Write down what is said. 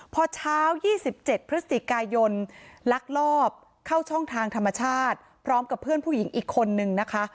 พอเช้า๒๗พฤศจิกายนลักลอบเข้าช่องทางธรรมชาติพร้อมกับเพื่อนผู้หญิงอีกคนนึงนะคะ